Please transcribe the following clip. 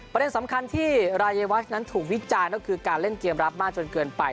ประเด็นสำคัญที่รายวัชนั้นถูกวิจารณ์ก็คือการเล่นเกมรับมากจนเกินไป